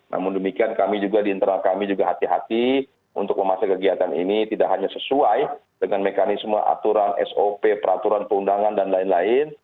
namun demikian kami juga di internal kami juga hati hati untuk memasak kegiatan ini tidak hanya sesuai dengan mekanisme aturan sop peraturan perundangan dan lain lain